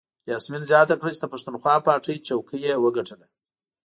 یاسمین زیاته کړه چې د پښتونخوا پارټۍ څوکۍ یې وګټله.